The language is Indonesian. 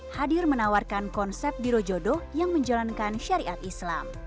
hadir menawarkan konsep biro jodoh yang menjalankan syariat islam